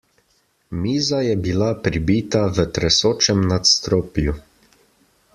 Miza je bila pribita v tresočem nadstropju.